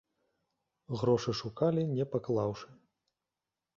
Грошы шукалі, не паклаўшы.